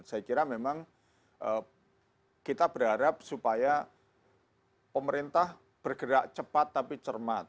saya kira memang kita berharap supaya pemerintah bergerak cepat tapi cermat